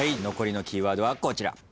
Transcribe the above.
残りのキーワードはこちら。